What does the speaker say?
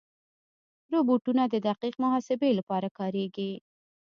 روبوټونه د دقیق محاسبې لپاره کارېږي.